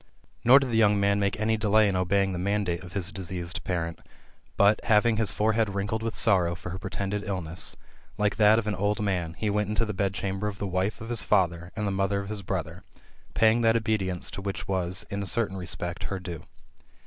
Nor did the young man make any delay in obeying the mandate of his diseased parent ; but, having his forehead wrinkled with passion Ffor her pretended illness], like that of an old man, he went into tne bed chamber of the wife of his father and the mother of his brother, paying that obedience to her which was, in a certain respect, her due.